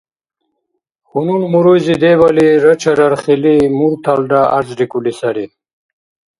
Хьунул муруйзи дебали рачарархили мурталра гӀярзрикӀули сари: